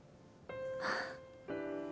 ああ。